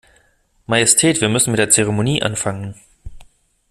Majestät, wir müssen mit der Zeremonie anfangen.